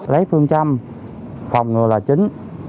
lấy phương trăm phòng ngừa là chính